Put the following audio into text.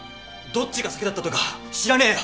どっちが先だったとか知らねえよ。